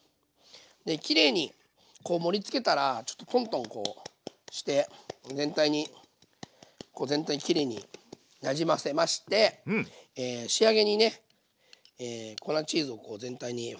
できれいにこう盛りつけたらちょっとトントンこうして全体にこう全体にきれいになじませまして仕上げにね粉チーズをこう全体にふわって。